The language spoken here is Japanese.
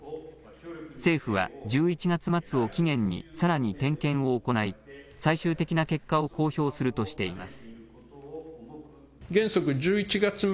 政府は１１月末を期限にさらに点検を行い最終的な結果を公表するとしています。